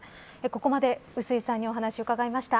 ここまで、碓井さんにお話を伺いました。